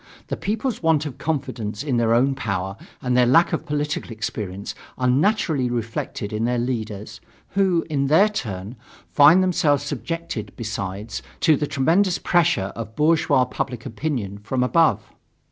The people's want of confidence in their own power and their lack of political experience are naturally reflected in their leaders, who, in their turn, find themselves subjected, besides, to the tremendous pressure of bourgeois public opinion, from above.